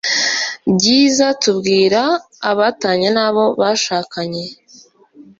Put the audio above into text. byiza tubwira abatanye n'abo bashakanye